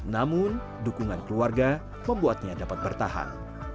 namun dukungan keluarga membuatnya dapat bertahan